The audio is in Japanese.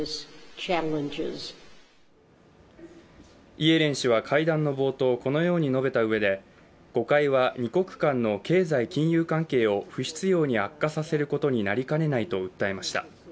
イエレン氏は会談の冒頭このように述べたうえで誤解は二国間の経済金融関係を不必要に悪化させることになりかねないと訴えました。